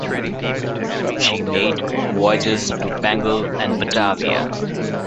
She made voyages to Bengal and Batavia.